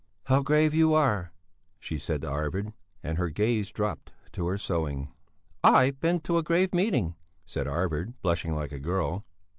"How grave you are," she said to Arvid, and her gaze dropped to her sewing. "I've been to a grave meeting," said Arvid, blushing like a girl.